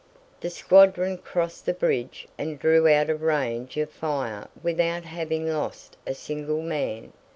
The squadron crossed the bridge and drew out of range of fire without having lost a single man.